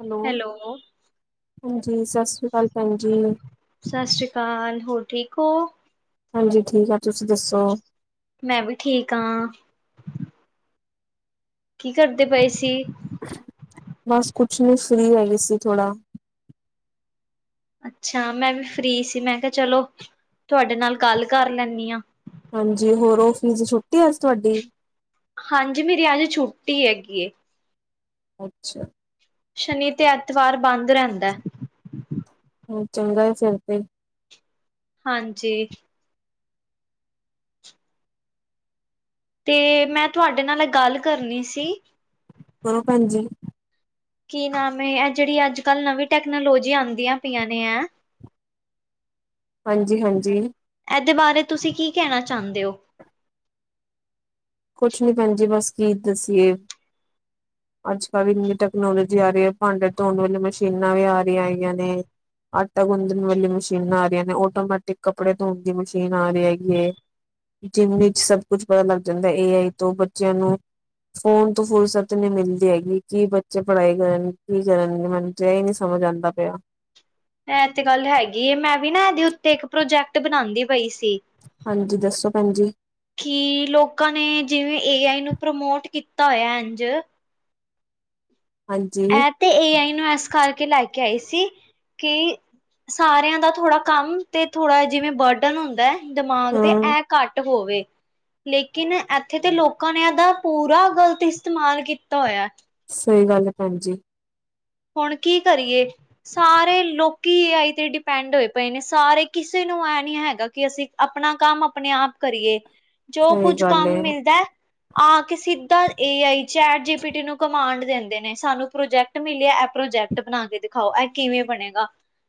Hello ਹਾਂਜੀ, ਸਤਿ ਸ਼੍ਰੀ ਅਕਾਲ ਭੈਣ ਜੀ। ਸਤਿ ਸ਼੍ਰੀ ਅਕਾਲ, ਹੋਰ ਠੀਕ ਓ? ਹਾਂਜੀ ਠੀਕ ਆ, ਤੁਸੀਂ ਦੱਸੋ? ਮੈਂ ਵੀ ਠੀਕ ਆਂ। ਕੀ ਕਰਦੇ ਪਏ ਸੀ? ਬਸ ਕੁਛ ਨੀ ਫ੍ਰੀ ਹੈਗੀ ਸੀ ਥੋੜਾ। ਅੱਛਾ, ਮੈਂ ਵੀ ਫ੍ਰੀ ਸੀ, ਮੈਂ ਕੇਆ ਚਲੋ, ਤੁਆਡੇ ਨਾਲ ਗੱਲ ਕਰ ਲੈਂਨੀ ਆ। ਹਾਂਜੀ, ਹੋਰ ਔਫੀਸ 'ਚ ਛੁੱਟੀ ਆ ਅੱਜ ਤੁਆਡੀ? ਹਾਂਜੀ, ਮੇਰੀ ਅੱਜ ਛੁੱਟੀ ਹੈਗੀ ਏ। ਅੱਛਾ। ਸ਼ਨੀ ਤੇ ਐਤਵਾਰ ਬੰਦ ਰੈਂਦੈ। ਹੂੰ, ਚੰਗਾ ਐ ਫੇਰ ਤੇ। ਹਾਂਜੀ। ਤੇ ਮੈਂ ਤੁਆਡੇ ਨਾਲ ਗੱਲ ਕਰਨੀ ਸੀ। ਕਰੋ ਭੈਣਜੀ। ਕੀ ਨਾਮ‌ ਐ, ਏ ਜੇੜੀ ਅੱਜ-ਕੱਲ ਨਵੀਂ ਟੈਕਨੋਲੋਜੀ ਆਦੀਆਂ ਪਈਆਂ ਨੇ ਐ ਹਾਂਜੀ-ਹਾਂਜੀ। ਇਹਦੇ ਬਾਰੇ ਤੁਸੀਂ ਕੀ ਕਹਿਣਾ ਚਾਦੇਂ ਓ? ਕੁਛ ਨੀ ਭੈਣ ਜੀ ਬਸ ਕੀ ਦੱਸੀਏ [inaudible] ਅੱਜ ਕੱਲ੍ਹ ਇਹਨੀ ਟੈਕਨੋਲੋਜੀ ਆ ਰੀ ਐ ਭਾਂਡੇ ਧੋਣ ਵਾਲੀ ਮਸ਼ੀਨਾਂ ਵੀ ਆ ਰੀਆਂ ਹੈਗੀਆਂ ਨੇ ਆਟਾ ਗੁੰਦਣ ਵਾਲੀਆਂ ਮਸ਼ੀਨਾਂ ਆ ਰੀਆਂ ਨੇ, ਆਟੋਮੈਟਿਕ ਕੱਪੜੇ ਧੋਣ ਦੀ ਮਸ਼ੀਨ ਆ ਰੀ ਹੈਗੀ ਐ। ਜਿੰਮ ਵਿੱਚ ਸਭ ਕੁਝ ਪਤਾ ਲੱਗ ਜਾਂਦਾ ਏ ਆਈ ਤੋਂ ਬੱਚਿਆਂ ਨੂੰ ਫੋਨ ਤੋਂ ਫ਼ੁਰਸਤ ਨੀ ਮਿਲਦੀ ਹੈਗੀ ਕੀ ਬੱਚੇ ਪੜ੍ਹਾਈ ਕਰਨ ਕੀ ਕਰਨਗੇ ਮੈਨੂੰ ਜੇ ਈ ਨੀ ਸਮਝ ਆਂਦਾ ਪਿਆ। ਇਹ ਤੇ ਗੱਲ ਹੈਗੀ ਐ ਮੈਂ ਵੀ ਨਾ ਇਹਦੇ ਉੱਤੇ ਇੱਕ ਪ੍ਰੋਜੈਕਟ ਬਣਾਂਦੀ ਪਈ ਸੀ। ਹਾਂਜੀ ਦੱਸੋ ਭੈਣ ਜੀ? ਕੀ ਲੋਕਾਂ ਨੇ ਜਿਵੇਂ ਏ ਆਈ ਨੂੰ ਪ੍ਰਮੋਟ ਕੀਤਾ ਹੋਇਆ ਇੰਝ ਹਾਂਜੀ, ਤੇ ਏ ਆਈ ਨੂੰ ਐ ਸਖਾ ਕੇ ਲੈ ਕੇ ਆਏ ਸੀ ਕੀ ਸਾਰਿਆਂ ਦਾ ਥੋੜਾ ਕੰਮ ਤੇ ਥੋੜਾ ਜਿਵੇਂ ਬਰਡ [unintelligible] ਹੁੰਦਾ ਦਿਮਾਗ ਤੇ ਹਾਂ ਇਹ ਘੱਟ ਹੋਵੇ। ਲੇਕਿਨ ਇੱਥੇ ਤੇ ਲੋਕਾਂ ਨੇ ਇਹਦਾ ਪੂਰਾ ਗਲਤ ਇਸਤੇਮਾਲ ਕੀਤਾ ਹੋਇਆ। ਸਹੀ ਗੱਲ ਐ ਭੈਣ ਜੀ। ਹੁਣ ਕੀ ਕਰੀਏ। ਸਾਰੇ ਲੋਕੀ ਏ ਆਈ ਤੇ ਡਿਪੈਂਡ ਹੋਏ ਪਏ ਨੇ ਸਾਰੇ ਕਿਸੇ ਨੂੰ ਇਹ ਨੀ ਹੈਗਾ ਕਿ ਅਸੀਂ ਆਪਣਾ ਕੰਮ ਆਪਣੇ ਆਪ ਕਰੀਏ, ਜੋ ਸਹੀ ਕੁੱਝ ਗੱਲ ਕੰਮ ਏ ਮਿਲਦਾ ਆ ਕੇ ਸਿੱਧਾ ਏ ਆਈ ਚੈਟ ਜੀ ਪੀਟੀ ਨੂੰ ਕਮਾਂਡ ਦਿੰਦੇ ਨੇ ਸਾਨੂੰ ਪ੍ਰੋਜੈਕਟ ਮਿਲਿਆ ਇਹ ਪ੍ਰੋਜੈਕਟ ਬਣਾ ਕੇ ਦਿਖਾਓ ਇਹ ਕਿਵੇਂ ਬਣੇਗਾ।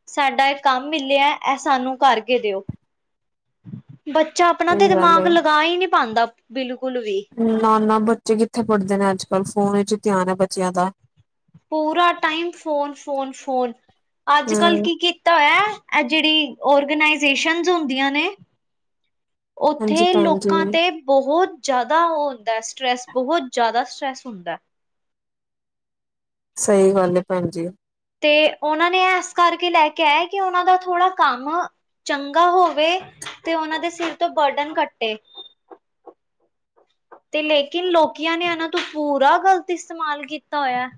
ਸਾਡਾ ਇਹ ਕੰਮ ਮਿਲਿਆ ਇਹ ਸਾਨੂੰ ਕਰਕੇ ਦਿਓ। ਬੱਚਾ ਆਪਣਾ ਤੇ ਸਹੀ ਗੱਲ ਦਿਮਾਗ ਏ ਲਗਾ ਈ ਨੀ ਪਾਦਾ ਬਿਲਕੁਲ ਵੀ ਨਾ-ਨਾ ਬੱਚੇ ਕਿੱਥੇ ਪੜ੍ਹਦੇ ਨੇ ਅੱਜ-ਕੱਲ੍ਹ ਫੋਨ ਵਿੱਚ ਧਿਆਨ ਐ ਬੱਚਿਆਂ ਦਾ ਪੂਰਾ ਟਾਈਮ ਫੋਨ, ਫੋਨ, ਫੋਨ ਅੱਜ-ਕੱਲ੍ਹ ਹਮ ਕੀ ਕੀਤਾ ਹੋਇਆ ਜਿਹੜੀ ਔਰਗਨਾਈਜੇਸਨ ਹੁੰਦੀਆਂ ਨੇ ਹਾਂਜੀ ਉੱਥੇ ਭੈਣ ਜੀ ਲੋਕਾਂ ਤੇ ਬਹੁਤ ਜਿਆਦਾ ਉਹ ਹੁੰਦਾ ਸਟਰ੍ਰੈਸ ਬਹੁਤ ਜ਼ਿਆਦਾ ਸਟਰ੍ਰੈਸ ਹੁੰਦਾ। ਸਹੀ ਗੱਲ ਏ ਭੈਣ ਜੀ। ਤੇ ਉਹਨਾਂ ਨੇ ਇਸ ਕਰਕੇ ਲੈ ਕੇ ਆਇਆ ਕਿ ਉਹਨਾਂ ਦਾ ਥੋੜਾ ਕੰਮ ਚੰਗਾ ਹੋਵੇ, ਤੇ ਉਹਨਾਂ ਦੇ ਸਿਰ ਤੋਂ ਬਰਡਨ ਕੱਟੇ। ਤੇ ਲੇਕਿਨ ਲੋਕੀਆਂ ਨੇ ਇਹਨਾਂ ਤੋਂ ਪੂਰਾ ਗ਼ਲਤ ਇਸਤੇਮਾਲ ਕੀਤਾ ਹੋਇਆ।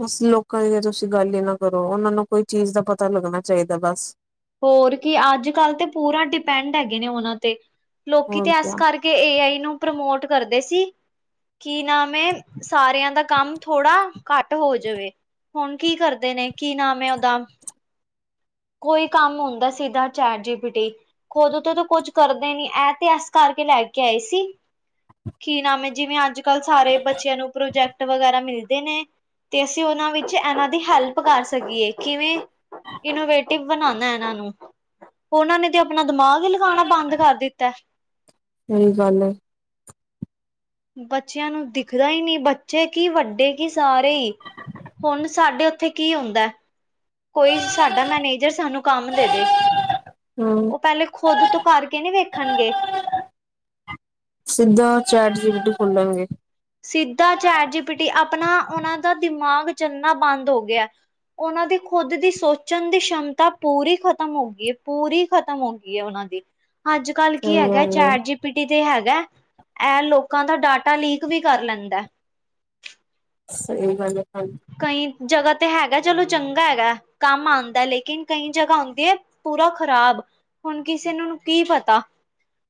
ਬੱਸ ਲੋਕਾਂ ਦੀ ਤਾ ਤੁਸੀਂ ਗੱਲ ਈ ਨਾ ਕਰੋ ਉਹਨਾਂ ਨੂੰ ਕੋਈ ਚੀਜ਼ ਦਾ ਪਤਾ ਲੱਗਣਾ ਚਾਹੀਦਾ ਬੱਸ ਹੋਰ ਕੀ ਅੱਜ ਕੱਲ ਤੇ ਪੂਰਾ ਡਿਪੈਂਡ ਹੈਗੇ ਨੇ, ਉਹਨਾਂ ਤੇ ਲੋਕੀ ਹੋਰ ਤੇ ਇਸ ਕਿਆ ਕਰਕੇ ਕੇ ਏ ਆਈ ਨੂੰ ਪ੍ਰਮੋਟ ਕਰਦੇ ਸੀ। ਕੀ ਨਾਮ ਏ, ਸਾਰਿਆਂ ਦਾ ਕੰਮ ਥੋੜ੍ਹਾ ਘੱਟ ਹੋ ਜਾਵੇ। ਹੁਣ ਕੀ ਕਰਦੇ ਨੇ ਕੀ ਨਾਮ ਐ ਉਹਦਾ ਕੋਈ ਕੰਮ ਹੁੰਦਾ ਸਿੱਧਾ ਚੈਟ ਜੀ ਪੀਟੀ। ਖੁਦ ਤੋਂ ਤਾਂ ਕੁੱਝ ਕਰਦੇ ਨੀ ਇਹ ਤੇ ਅ ਕਰਕੇ ਲੈ ਕੇ ਆਏ ਸੀ। ਕੀ ਨਾਮ ਐ ਜਿਵੇਂ ਅੱਜ-ਕੱਲ੍ਹ ਸਾਰੇ ਬੱਚਿਆਂ ਨੂੰ ਪ੍ਰੋਜੈਕਟ ਵਗੈਰਾ ਮਿਲਦੇ ਨੇ। ਤੇ ਅਸੀਂ ਉਹਨਾਂ ਵਿੱਚ ਇਹਨਾਂ ਦੀ ਹੈਲਪ ਕਰ ਸਕੀਏ ਕਿਵੇਂ ਇਨੋਵੇ ਟਿਵ ਬਣਾਣਾ ਇਹਨਾਂ ਨੂੰ, ਉਹਨਾਂ ਨੇ ਤੇ ਆਪਣਾ ਦਿਮਾਗ ਲਗਾਣਾ ਬੰਦ ਕਰ ਦਿੱਤਾ। ਸਹੀ ਗੱਲ ਐ। ਬੱਚਿਆਂ ਨੂੰ ਦਿਖਦਾ ਈ ਨੀ, ਬੱਚੇ ਕੀ ਵੱਡੇ ਕੀ ਸਾਰੇ ਈ ਹੁਣ ਸਾਡੇ ਉੱਥੇ ਕੀ ਹੁੰਦਾਂ ਏ ਕੋਈ ਸਾਡਾ ਮੈਨੇਜਰ ਸਾਨੂੰ ਕੰਮ ਦੇ-ਦੇ। ਹਮ ਉਹ ਪਹਿਲੇ ਖੁਦ ਤੋਂ ਕਰਕੇ ਨਹੀਂ ਵੇਖਣਗੇ। ਸਿੱਧਾ ਚੈਟ ਜੀ ਪੀ ਟੀ ਖੋਲਣਗੇ। ਸਿੱਧਾ ਚੈਟ ਜੀ ਪਿੱਟੀ ਆਪਣਾ ਉਹਨਾਂ ਦਾ ਦਿਮਾਗ ਚੱਲਣਾ ਬੰਦ ਹੋ ਗਿਆ। ਉਹਨਾਂ ਦੀ ਖੁਦ ਦੀ ਸੋਚਣ ਦੀ ਸਮਤਾ ਪੂਰੀ ਖਤਮ ਹੋ ਗਈ ਹੈ, ਪੂਰੀ ਖਤਮ ਹੋ ਗਈ ਹੈ ਉਹਨਾਂ ਦੀ। ਅੱਜ-ਕੱਲ ਕੀ ਸਹੀ ਹੈਗਾ ਗੱਲ ਹੈ ਚੈਟ ਜੀ ਪੀ ਟੀ ਤੇ ਹੈਗਾ। ਐ ਲੋਕਾਂ ਦਾ ਡਾਟਾ ਲੀਕ ਵੀ ਕਰ ਲੈਂਦਾ ਏ। ਸਹੀ ਗੱਲ ਏ ਹਾਂਜੀ। ਕਈ ਜਗ੍ਹਾ ਤੇ ਹੈਗਾ। ਚਲੋ ਚੰਗਾ ਹੈਗਾ ਕੰਮ ਆਉਂਦਾ ਲੇਕਿਨ ਕਈ ਜਗ੍ਹਾ ਆਉਂਦੀ ਏ ਪੂਰਾ ਖ਼ਰਾਬ। ਹੁਣ ਕਿਸੇ ਨੂੰ ਕੀ ਪਤਾ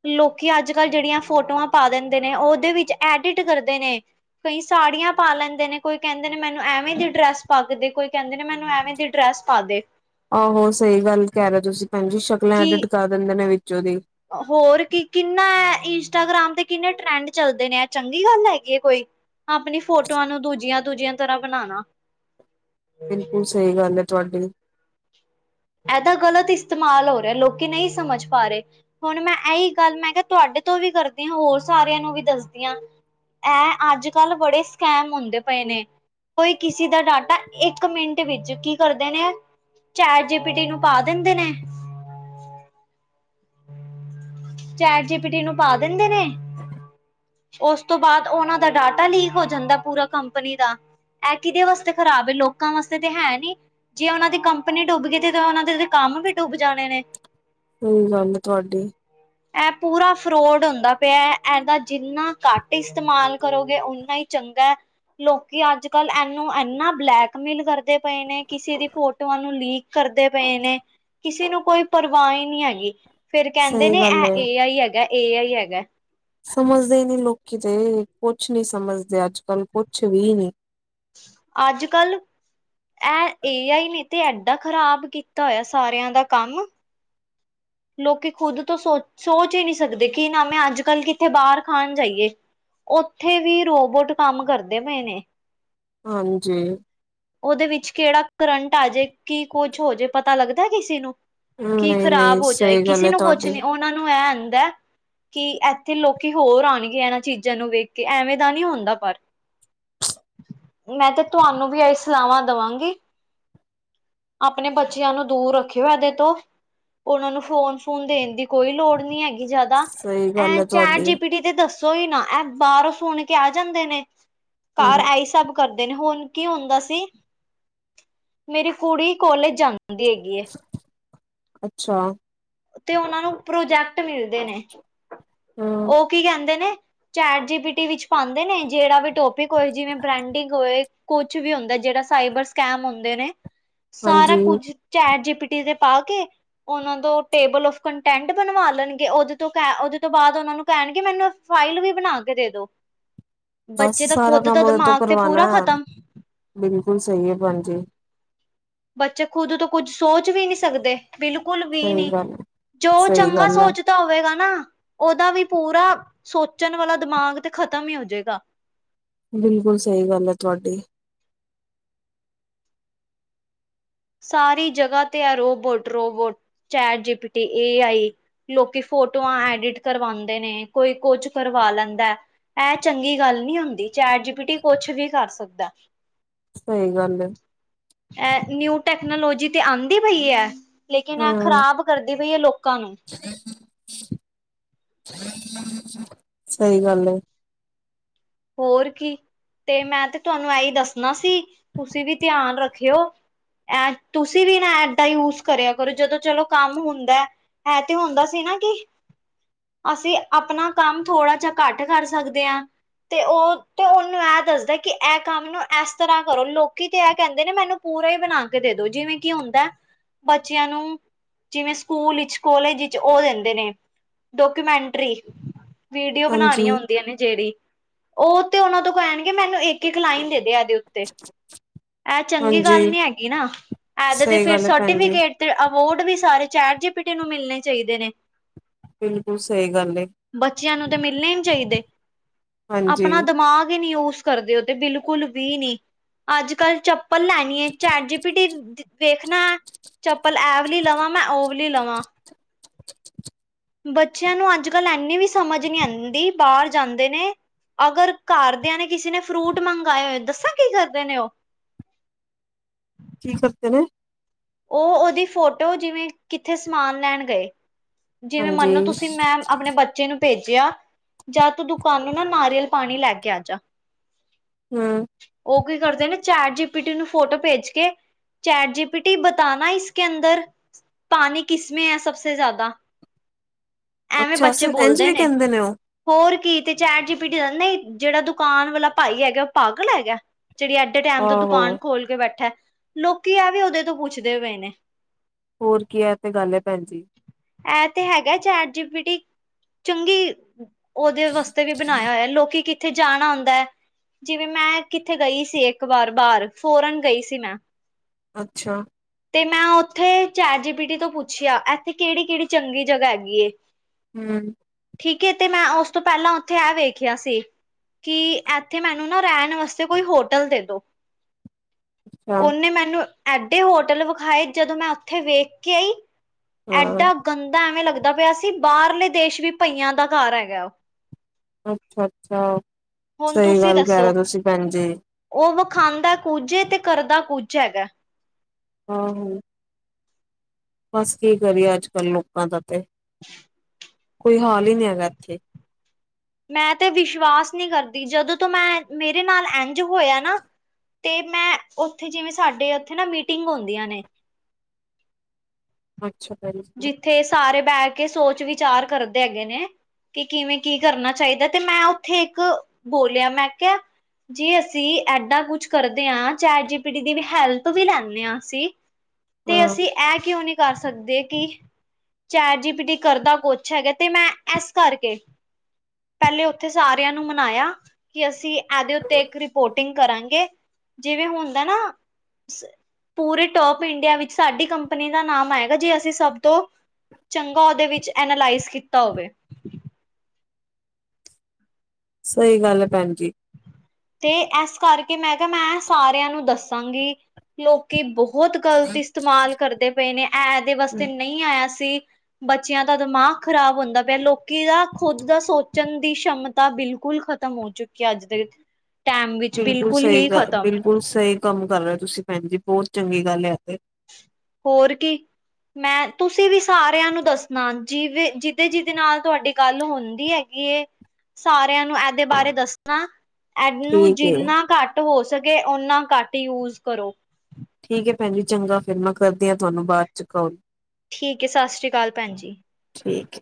ਲੋਕੀ ਅੱਜ-ਕੱਲ੍ਹ ਜਿਹੜੀਆਂ ਫੋਟੋਆਂ ਪਾ ਦਿੰਦੇ ਨੇ, ਉਹਦੇ ਵਿੱਚ ਐਡਿਟ ਕਰਦੇ ਨੇ। ਕਈ ਸਾੜੀਆਂ ਪਾ ਲੈਂਦੇ ਨੇ, ਕੋਈ ਕਹਿੰਦੇ ਨੇ ਮੈਨੂੰ ਐਵੇਂ ਦੀ ਡਰੈਸ ਪਾਕੇ ਦੇ, ਕੋਈ ਕਹਿੰਦੇ ਨੇ ਮੈਨੂੰ ਐਵੇਂ ਦੀ ਡਰੈਸ ਪਾਦੇ। ਆਹੋ! ਸਹੀ ਗੱਲ ਕਹਿ ਰਹੇ ਹੋ ਤੁਸੀਂ ਭੈਣ ਜੀ। ਸ਼ਕਲਾਂ ਕਿ ਐਡਿਟ ਦਿੰਦੇ ਨੇ ਵਿੱਚੋਂ ਦੀ ਹੋਰ ਕੀ ਕਿੰਨਾ ਐ ਇੰਸਟਾਗ੍ਰਾਮ ਤੇ ਕਿੰਨੇ ਟਰੈਂਡ ਚੱਲਦੇ ਨੇ। ਇਹ ਚੰਗੀ ਗੱਲ ਹੈਗੀ ਹੈ ਕੋਈ ਆਪਣੀ ਫੋਟੋਆਂ ਨੂੰ ਦੂਜੀਆਂ-ਦੂਜੀਆਂ ਤਰ੍ਹਾਂ ਬਣਾਣਾ। ਬਿਲਕੁਲ ਸਹੀ ਗੱਲ ਹੈ ਤੁਹਾਡੀ। ਇਹਦਾ ਗ਼ਲਤ ਇਸਤੇਮਾਲ ਹੋ ਰਿਹਾ ਲੋਕੀ ਨਹੀਂ ਸਮਝ ਪਾਰਹੇ। ਹੁਣ ਮੈਂ ਇਹੀ ਗੱਲ ਮੈਂ ਕਿਹਾ ਤੁਹਾਡੇ ਤੋਂ ਵੀ ਕਰਦੀ ਆ, ਹੋਰ ਸਾਰਿਆਂ ਨੂੰ ਵੀ ਦੱਸਦੀ ਆ। ਐਂ ਅੱਜ-ਕੱਲ੍ਹ ਬੜੇ ਸਕੈਮ ਹੁੰਦੇ ਪਏ ਨੇ। ਕੋਈ ਕਿਸੇ ਦਾ ਡਾਟਾ ਇੱਕ ਮਿੰਟ ਵਿੱਚ ਕੀ ਕਰਦੇ ਨੇ ਐ ਚੈਟ ਚੈਟ ਜੀ ਪਿਟੀ ਨੂੰ ਪਾ ਦਿੰਦੇ ਨੇ। ਚੈਟ ਜੀ ਪਿਟੀ ਨੂੰ ਪਾ ਦਿੰਦੇ ਨੇ। ਉਸ ਤੋਂ ਬਾਅਦ ਉਹਨਾਂ ਦਾ ਡਾਟਾ ਲੀਕ ਹੋ ਜਾਂਦਾ ਪੂਰਾ ਕੰਪਨੀ ਦਾ। ਇਹ ਕਿਹਦੇ ਵਾਸਤੇ ਖ਼ਰਾਬ ਐ ਲੋਕਾਂ ਵਾਸਤੇ ਤੇ ਹੈ ਨੀ ਜੇ ਉਹਨਾਂ ਦੀ ਕੰਪਨੀ ਡੁੱਬ ਗਈ, ਤੇ ਉਹਨਾ ਦੇ ਕੰਮ ਵੀ ਡੁੱਬ ਜਾਣੇ ਨੇ। ਸਹੀ ਗੱਲ ਏ ਤੁਹਾਡੀ। [inaudible] ਇਹ ਪੂਰਾ ਫਰੋਡ ਹੁੰਦਾ ਪਿਆ ਐ। ਇਹਦਾ ਜਿੰਨਾ ਘੱਟ ਇਸਤੇਮਾਲ ਕਰੋਗੇ ਉਓਨਾ ਹੀ ਚੰਗਾ ਏ। ਲੋਕੀ ਅੱਜ-ਕੱਲ ਇਹਨੂੰ ਇਨਾ ਬਲੈਕਮੇਲ ਕਰਦੇ ਪਏ ਨੇ, ਕਿਸੇ ਦੀ ਫੋਟੋਆਂ ਨੂੰ ਲੀਕ ਕਰਦੇ ਪਏ ਨੇ। ਕਿਸੇ ਨੂੰ ਕੋਈ ਪਰਵਾਹ ਈ ਨਹੀਂ ਹੈਗੀ। ਫੇਰ ਕਹਿੰਦੇ ਸਹੀ ਨੇ ਗੱਲ ਇਹ ਹੈ। ਏ ਆਈ ਹੈਗਾ, ਏ ਆਈ ਹੈਗਾ। ਸਮਝਦੇ ਨੀ ਲੋਕੀ ਤੇ, ਕੁਛ ਨਹੀਂ ਸਮਝਦੇ ਅੱਜ- ਕੱਲ ਕੁਛ ਵੀ ਨੀ। ਅੱਜ-ਕੱਲ੍ਹ ਐਹ ਏ ਆਈ ਨੇ ਤੇ ਐਡਾ ਖ਼ਰਾਬ ਕੀਤਾ ਹੋਇਆ ਸਾਰਿਆਂ ਦਾ ਕੰਮ ਲੋਕੀ ਖੁਦ ਤੋਂ ਸੋਚ-ਸੋਚ ਹੀ ਨਹੀਂ ਸਕਦੇ। ਕਿ ਨਾ ਮੈਂ ਅੱਜ-ਕੱਲ੍ਹ ਕਿੱਥੇ ਬਾਹਰ ਖਾਣ ਜਾਈਏ। ਉੱਥੇ ਵੀ ਰੋਬੋਟ ਕੰਮ ਕਰਦੇ ਪਏ ਨੇ। ਹਾਂਜੀ। ਉਹਦੇ ਵਿੱਚ ਕਿਹੜਾ ਕਰੰਟ ਆ ਜੇ ਕੀ ਕੁਝ ਹੋ ਜੇ ਪਤਾ ਲੱਗਦਾ ਕਿਸੇ ਨੂੰ। ਕੀ ਨਹੀਂ ਨਹੀਂ ਖ਼ਰਾਬ ਹੋ ਜਾਏ ਸਹੀ ਗੱਲ ਕਿਸੇ ਹੈ ਨੂੰ ਕੁੱਛ ਤੁਹਾਡੀ। ਨੀ ਉਹਨਾਂ ਨੂੰ ਇਹ ਹੁੰਦਾ ਹੈ ਕਿ ਇੱਥੇ ਲੋਕੀ ਹੋਰ ਆਣਗੇ ਇਹਨਾਂ ਚੀਜ਼ਾਂ ਨੂੰ ਵੇਖ ਕੇ ਐਵੇਂ ਦਾ ਨਹੀਂ ਹੁੰਦਾ ਪਰ। ਮੈਂ ਤੇ ਤੁਹਾਨੂੰ ਵੀ ਏਹੀ ਸਲਾਵਾਂ ਦੇਵਾਂਗੀ ਆਪਣੇ ਬੱਚਿਆਂ ਨੂੰ ਦੂਰ ਰੱਖਿਓ ਇਹਦੇ ਤੋਂ। ਉਹਨਾਂ ਨੂੰ ਫੋਨ-ਫੁਨ ਦੇਣ ਦੀ ਕੋਈ ਲੋੜ ਨਹੀਂ ਹੈਗੀ ਜਿਆਦਾ, ਸਹੀ ਗੱਲ ਐਹ ਹੈ ਚੈਟ ਤੁਹਾਡੀ ਜੀ ਪੀਟੀ ਤੇ ਦੱਸੋ ਈ ਨਾ ਇਹ ਬਾਹਰੋ ਸੁਨ ਕੇ ਆ ਜਾਂਦੇ ਨੇ ਘਰ ਹਮ ਏਹੀ ਸਬ ਕਰਦੇ ਨੇ ਹੁਨ ਕੀ ਹੁੰਦਾ ਸੀ ਮੇਰੀ ਕੁੜੀ ਕੋਲੇਜ ਜਾਂਦੀ ਹੈਗੀ ਏ ਅੱਛਾ ਤੇ ਉਹਨਾਂ ਨੂੰ ਪ੍ਰੋਜੈਕਟ ਮਿਲਦੇ ਨੇ, ਹਮ। ਉਹ ਕੀ ਕਹਿੰਦੇ ਨੇ ਚੈਟ ਜੀ ਪੀ ਟੀ ਵਿੱਚ ਪਾੰਦੇ ਨੇ ਜਿਹੜਾ ਵੀ ਟੋਪਿਕ ਹੋਏ ਜਿਵੇਂ ਬ੍ਰੈਂਡਿੰਗ ਹੋਏ ਕੁਛ ਵੀ ਹੁੰਦਾ ਜਿਹੜਾ ਸਾਈਬਰ ਸਕੈਮ ਹੁੰਦੇ ਨੇ, ਸਾਰਾ ਹਾਂਜੀ ਕੁਝ ਚੈਟ ਜੀ ਪੀ ਟੀ ਤੇ ਪਾ ਕੇ ਉਹਨਾਂ ਨੂੰ ਟੇਬਲ ਔਫ਼ ਕੰਟੈਂਟ ਬਨਵਾ ਲੈਨਗੇ ਉਹਦੇ ਤੋਂ ਕਹਿ ਉਹਦੇ ਤੋਂ ਬਾਅਦ ਉਹਨਾਂ ਨੂੰ ਕਹਿਣਗੇ ਮੈਨੂੰ ਫਾਈਲ ਵੀ ਬਨਾ ਕੇ ਦੇਦੋ, ਬਸ ਬੱਚੇ ਦਾ ਸਾਰਾ ਖੁਦ ਦਾ ਕੰਮ ਉਹਦੇ ਤੋਂ ਦਿਮਾਗ ਤੇ ਕਰਵਾਣਾ ਪੂਰਾ ਖ਼ਤਮ ਬਿਲਕੁਲ ਸਹੀ ਹੈ ਪੈਣ ਜੀ ਬੱਚੇ ਖੁਦ ਤੋਂ ਕੁੱਝ ਸੋਚ ਵੀ ਨਹੀਂ ਸਕਦੇ, ਬਿਲਕੁਲ ਵੀ ਸਹੀ ਨਹੀਂ, ਗੱਲ ਜੋ ਸਹੀ ਚੰਗਾ ਗੱਲ ਆ ਸੋਚ ਹੋਵੇਗਾ ਨਾ ਉਹਦਾ ਵੀ ਪੂਰਾ ਸੋਚਣ ਵਾਲਾ ਦਿਮਾਗ ਤੇ ਖਤਮ ਹੀ ਹੋ ਜੇਗਾ ਬਿਲਕੁਲ ਸਹੀ ਗੱਲ ਐ ਤੁਹਾਡੀ ਸਾਰੀ ਜਗ੍ਹਾ ਤੇ ਆ ਰੋਬੋਟ-ਰੋਬੋਟ ਚੈਟ ਜੀ ਪੀ ਟੀ ਏ ਆਈ ਲੋਕੀ ਫੋਟੋਆਂ ਐਡਿਟ ਕਰਵਾਉਂਦੇ ਨੇ ਕੋਈ ਕੁੱਛ ਕਰਵਾ ਲੈਂਦਾ ਇਹ ਚੰਗੀ ਗੱਲ ਨਹੀਂ ਹੁੰਦੀ ਚੈਟ ਜੀ ਪੀ ਟੀ ਕੁਛ ਵੀ ਕਰ ਸਕਦਾ ਸਹੀ ਗੱਲ ਏ ਏਹ ਨਿਊ ਟੈਕਨੋਲੋਜੀ ਤੇ ਆਂਦੀ ਪਈ ਐ ਲੇਕਿਨ ਇਹ ਹਮ ਖ਼ਰਾਬ ਕਰਦੀ ਪਈ ਏ, ਲੋਕਾਂ ਨੂੰ [inaudible] ਸਹੀ ਗੱਲ ਏ। ਹੋਰ ਕੀ, ਤੇ ਮੈਂ ਤੇ ਤੁਹਾਨੂੰ ਐਹੀ ਦੱਸਣਾ ਸੀ। ਤੁਸੀਂ ਵੀ ਧਿਆਨ ਰੱਖਿਓ। ਐ ਤੁਸੀਂ ਵੀ ਨਾ ਐਪ ਦਾ ਯੂਜ ਕਰਿਆ ਕਰੋ, ਜਦੋਂ ਚਲੋ ਕੰਮ ਹੁੰਦਾ ਹੈ ਤੇ ਹੁੰਦਾ ਸੀ ਨਾ ਕੀ ਅਸੀਂ ਕੰਮ ਥੋੜ੍ਹਾ ਜਿਹਾ ਘੱਟ ਕਰ ਸਕਦੇ ਆ। ਤੇ ਉਹ ਤੇ ਉਨ ਤੇ ਇਹ ਦੱਸਦਾ, ਕਿ ਇਹ ਕੰਮ ਨੂੰ ਏਸ ਤਰ੍ਹਾਂ ਕਰੋ ਲੋਕੀ ਤੇ ਏਹ ਕਹਿੰਦੇ ਨੇ ਮੈਨੂੰ ਪੂਰਾ ਹੀ ਬਣਾ। ਦੇ ਦੋ, ਜਿਵੇਂ ਕਿ ਹੁੰਦਾ ਬੱਚਿਆਂ ਨੂੰ ਜਿਵੇਂ ਸਕੂਲ ਵਿੱਚ ਕੋਲਜ ਇਚ ਉਹ ਦਿੰਦੇ ਨੇ ਡਾਕੂਮੈਂਟਰੀ। ਵੀਡੀਓ ਹਾਂਜੀ ਬਣਾਣੀਆਂ ਹੁੰਦੀਆਂ ਨੇ ਜਿਹੜੀ ਉਹ ਤੇ ਉਹਨਾਂ ਤੋਂ ਕਹਿਣਗੇ ਮੈਨੂੰ ਇੱਕ ਇੱਕ ਲਾਈਨ ਦੇ ਦੇ ਏਹਦੇ ਉੱਤੇ ਇਹ ਚੰਗੀ ਗੱਲ ਹਾਂਜੀ ਨੀ ਹੈਗੀ ਨਾ ਇਹਦੇ ਤੇ ਸਹੀ ਫਿਰ ਗੱਲ ਹੈ ਭੈਣ ਜੀ ਸਰਟੀਫਿਕੇਟ ਤੇ ਅਵਾਰਡ ਵੀ ਸਾਰੇ ਚੈਟ-ਜੀ-ਪੀ ਟੀ ਨੂੰ ਮਿਲਣੇ ਚਾਈਦੇ ਨੇ ਬਿਲਕੁਲ ਸਹੀ ਗੱਲ ਹੈ ਬੱਚਿਆਂ ਨੂੰ ਤੇ ਮਿਲਣੇ ਈ ਨੀ ਚਾਹੀਦੇ ਹਾਂਜੀ ਆਪਣਾ ਦਿਮਾਗ ਹੀ ਨ ਯੂਸ ਕਰਦੇ ਔ ਤੇ ਬਿਲਕੁਲ ਵੀ ਨਹੀਂ ਅੱਜ ਕੱਲ ਚਪ ਪੱਲ ਲੈਨੀ ਏ ਚੈਟ ਜੀ-ਪੀ-ਟੀ। ਦੇਖਣਾ ਚੱਪਲ ਐਵਲੀ ਲਵਾਂ ਮੈਂ ਉਹ ਓਵਲੀ ਲਵਾਂ। ਬੱਚਿਆਂ ਨੂੰ ਅੱਜ ਕੱਲ੍ਹ ਏਨੀ ਵੀ ਸਮਝ ਨਹੀਂ ਆਦੀ ਬਾਹਰ ਜਾਂਦੇ ਨੇ ਅਗਰ ਘਰਦਿਆਂ ਨੇ ਕਿਸੇ ਨੇ ਫਰੂਟ ਮੰਗਾਏ ਹੋਏ, ਦੱਸਾਂ ਕੀ ਕਰਦੇ ਨੇ ਉਹ ਕੀ ਕਰਦੇ ਨੇ ਉਹ ਉਹਦੀ ਫੋਟੋ ਜਿਵੇਂ, ਕਿੱਥੇ ਸਮਾਨ ਲੈਣ ਗਏ ਜਿਵੇਂ ਹਾਂਜੀ ਮੰਨੋ ਤੁਸੀਂ ਮੈਂਮ ਆਪਣੇ ਬੱਚੇ ਨੂੰ ਭੇਜਿਆ ਜਾਂ ਤੂੰ ਦੁਕਾਨੋ ਨਾ ਨਾਰੀਅਲ ਪਾਨੀ ਲੈ ਕੇ ਆ ਜਾ ਹੰ ਉਹ ਕੀ ਕਰਦੇ ਨੇ ਚੈਟ-ਜੀ-ਪੀ-ਟੀ ਨੂੰ ਫੋਟੋ ਭੇਜ ਕੇ ਚੈਟ-ਜੀ-ਪੀ ਬਤਾਨਾ ਇਸ ਕੇ ਅੰਦਰ ਪਾਣੀ ਕਿਸਮੇ ਏ ਸਭ ਸੇ ਜ਼ਿਆਦਾ ਐਵੇਂ ਅੱਛਾ ਬੱਚੇ ਇੰਝ ਬੋਲਦੇ ਵੀ ਨੇ ਕਹਿੰਦੇ ਉਹ ਹੋਰ ਕੀ ਤੇ ਚੈਟ-ਜੀ-ਪੀਟੀ ਦ, ਨਹੀਂ ਜਿਹੜਾ ਦੁਕਾਨ ਵਾਲਾ ਭਾਈ ਹੈਗਾ ਉਹ ਪਾਗਲ ਹੈਗਾ, ਜਿਹੜੀ ਐਡ ਡੇ ਟਾਈਮ ਤੋਂ ਆਹੋ ਦੁਕਾਨ ਖੋਲ ਕੇ ਬੈਠਾ, ਲੋਕੀ ਆ ਵੀ ਉਹਦੇ ਤੋਂ ਪੁੱਛਦੇ ਪਏ ਨੇ ਹੋਰ ਕੀ ਐ ਤੇ ਗੱਲ ਐ ਭੈਣ ਜੀ। ਇਹ ਤੇ ਹੈਗਾ ਚੈਟ-ਜੀ-ਪੀਟੀ, ਚੰਗੀ ਉਹਦੇ ਵਾਸਤੇ ਵੀ ਬਣਾਇਆ ਹੋਇਆ ਲੋਕੀ ਕੀ ਕਿੱਥੇ ਜਾਣਾ ਹੁੰਦਾ ਏ, ਜਿਵੇਂ ਮੈਂ ਕਿੱਥੇ ਗਈ ਸੀ, ਇੱਕ ਵਾਰ ਬਾਹਰ ਫੋਰਨ ਗਈ ਸੀ ਮੈਂ ਅੱਛਾ। ਤੇ ਮੈਂ ਉੱਥੇ ਚੈਟ-ਜੀ-ਪੀਟੀ ਤੋਂ ਪੁੱਛਿਆ ਇੱਥੇ ਕਿਹੜੀ- ਕਿਹੜੀ ਚੰਗੀ ਜਗ੍ਹਾ ਹੈਗੀ ਏ। ਹੂ ਠੀਕ ਏ ਤੇ ਮੈਂ ਉਸ ਤੋਂ ਪਹਿਲਾਂ ਉੱਥੇ ਇਹ ਵੇਖਿਆ ਸੀ। ਕਿ ਇੱਥੇ ਮੈਨੂੰ ਨਾ ਰਹਿਣ ਵਾਸਤੇ ਕੋਈ ਹੋਟਲ ਦੇ ਦੋ ਅੱਛਾ ਓਨੇ ਮੈਨੂੰ ਏਡੇ ਹੋਟਲ ਵਿਖਾਏ ਜਦੋਂ ਮੈਂ ਉੱਥੇ ਵੇਖ ਕੇ ਆਈ ਹਾਂ ਐਡਾ ਗੰਦਾ, ਐਵੇਂ ਲੱਗਦਾ ਪਿਆ ਸੀ ਬਾਹਰਲੇ ਦੇਸ਼ ਵੀ ਭਈਆਂ ਦਾ ਘਰ ਹੈਗਾ ਉਹ। ਅੱਛਾ-ਅੱਛਾ ਹੁਣ ਸਹੀ ਤੁਸੀਂ ਗੱਲ ਕਹਿ ਰਹੇ ਦੱਸੋ ਤੁਸੀਂ ਭੈਣ ਜੀ। ਉਹ ਵਿਖਾਂਦਾ ਕੁਝ ਏ, ਤੇ ਕਰਦਾ ਕੁਛ ਹੈਗਾ ਆ ਹੋ ਬਸ ਕੀ ਕਰੀਏ ਅੱਜ ਕੱਲ੍ਹ ਲੋਕਾਂ ਦਾ ਤੇ [inaudible] ਕੋਈ ਹਾਲ ਹੀ ਨਹੀਂ ਹੈਗਾ ਏਥੇ ਮੈਂ ਤੇ ਵਿਸ਼ਵਾਸ ਨਹੀਂ ਕਰਦੀ ਜਦੋਂ ਤੋਂ ਮੈਂ ਮੇਰੇ ਨਾਲ ਐਂਜ ਹੋਇਆ ਨਾ ਤੇ ਮੈਂ ਉੱਥੇ ਜਿਵੇਂ ਸਾਡੇ ਉੱਥੇ ਨਾ ਮੀਟਿੰਗ ਹੁੰਦੀਆਂ ਨੇ ਅੱਛਾ ਭੈਣਜੀ ਥੇ ਸਾਰੇ ਬੈਠ ਕੇ ਸੋਚ-ਵਿਚਾਰ ਕਰਦੇ ਹੈਗੇ ਨੇ ਕਿ ਕਿਵੇਂ ਕੀ ਕਰਨਾ ਚਾਹੀਦਾ? ਤੇ ਮੈਂ ਉੱਥੇ ਇੱਕ ਬੋਲਿਆ ਮੈਂ ਕਿਹਾ ਜੇ ਅਸੀਂ ਐਡਾਂ ਕੁਛ ਕਰਦੇ ਆਂ, ਚੈਟ ਜੀਪੀਟੀ ਦੀ ਵੀ ਹੈਲਪ ਵੀ ਲੈਂਦੇ ਹਾਂ ਅਸੀਂ ਤੇ ਹਾਂ ਅਸੀਂ ਐ ਕਿਉਂ ਨੀ ਕਰ ਸਕਦੇ ਕਿ ਚੈਟ ਜੀਪੀਟੀ ਕਰਦਾ ਕੁਛ ਹੈਗਾ ਤੇ ਮੈਂ ਏਸ ਕਰਕੇ ਪਹਲੇ ਉੱਥੇ ਸਾਰਿਆਂ ਨੂੰ ਮਨਾਇਆ ਕਿ ਅਸੀਂ ਏਦੇ ਉੱਤੇ ਇੱਕ ਰਿਪੋਰਟਿੰਗ ਕਰਾਂਗੇ, ਜਿਵੇਂ ਹੁੰਦਾ ਨਾ ਪੂਰੇ ਟੋਪ ਇੰਡੀਆ ਵਿੱਚ ਸਾਡੀ ਕੰਪਨੀ ਦਾ ਨਾਮ ਆਏਗਾ ਜੇ ਅਸੀਂ ਸਭ ਤੋਂ ਚੰਗਾ ਉਦੇ ਵਿੱਚ ਐਨਾਲਾਈਜ਼ ਕੀਤਾ ਹੋਵੇ। ਸਹੀ ਗੱਲ ਏ ਭੈਣ ਜੀ। ਤੇ ਏਸ ਕਰਕੇ ਮੈਂ ਕਿਹਾ ਮੈਂ ਸਾਰਿਆਂ ਨੂੰ ਦੱਸਾਂਗੀ ਲੋਕੀ ਬਹੁਤ ਬਹੁਤ ਗ਼ਲਤ ਇਸਤੇਮਾਲ ਕਰਦੇ ਪਏ ਨੇ। ਐ ਐਦੇ ਵਸਤੇ ਨਹੀਂ ਆਇਆ ਸੀ। ਬੱਚਿਆਂ ਦਾ ਦਿਮਾਗ ਖ਼ਰਾਬ ਹੁੰਦਾ ਪਿਆ। ਲੋਕੀ ਦਾ ਖੁੱਦ ਦਾ ਸੋਚਣ ਦੀ ਸ਼ਮਤਾ ਬਿਲਕੁਲ ਖ਼ ਖਤਮ ਹੋ ਚੁੱਕੀ ਅੱਜ ਦੇ ਵਿੱਚ। ਟਾਈਮ ਬਿਲਕੁਲ ਸਹੀ ਹੀ ਗ ਖ਼ਤਮ ਬਿਲਕੁਲ ਸਹੀ ਕੰਮ ਕਰ ਰਹੇ ਓ ਤੁਸੀਂ ਭੈਣ ਜੀ ਬਹੁਤ ਚੰਗੀ ਗੱਲ ਐ ਤੇ ਹੋਰ ਕੀ ਮੈਂ ਤੁਸੀਂ ਵੀ ਸਾਰਿਆਂ ਨੂੰ ਦੱਸਣਾ ਜਿਵੇਂ ਜੀਦੇ-ਜੀਦੇ ਨਾਲ ਤੁਹਾਡੀ ਗੱਲ ਹੁੰਦੀ ਏ ਸਾਰਿਆਂ ਨੂੰ ਐਦੇ ਬਾਰੇ ਦੱਸਣਾ ਐਨੂੰ ਠੀਕ ਏ। ਜਿੰਨਾ ਘੱਟ ਹੋ ਸਕੇ ਓਨਾ ਘੱਟ ਯੂਜ ਕਰੋ। ਠੀਕ ਹੈ ਭੈਣ ਜੀ ਚੰਗਾ ਫਿਰ ਮੈਂ ਕਰਦੀ ਹਾਂ ਤੁਹਾਨੂੰ ਬਾਦ ਚ ਕਾੱਲ ਠੀਕ ਏ ਸਤਿ ਸ੍ਰੀ ਅਕਾਲ ਭੈਣ ਜੀ। ਠੀਕ।